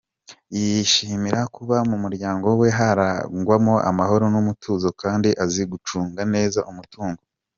Yishimira kuba mu muryango we harangwamo amahoro n’umutuzo kandi azi gucunga neza umutungo.